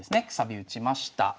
くさび打ちました。